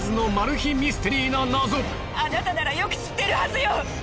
あなたならよく知ってるはずよ！